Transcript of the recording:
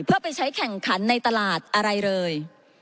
เพื่อไปใช้แข่งขันในตลาดอะไรเลย